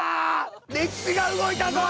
歴史が動いたぞー！